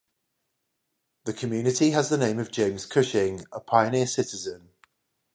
The community has the name of James Cushing, a pioneer citizen.